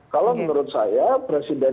kalau menurut saya presiden